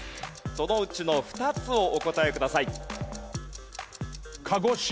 そのうちの２つをお答えください。